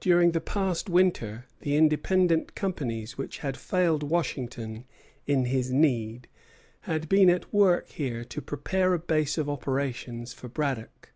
During the past winter the independent companies which had failed Washington in his need had been at work here to prepare a base of operations for Braddock.